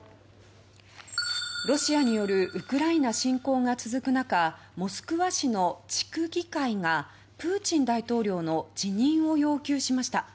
ロシアによるウクライナ侵攻が続く中モスクワ市の地区議会がプーチン大統領の辞任を要求しました。